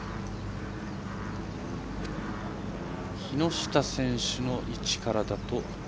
木下選手の位置からだと。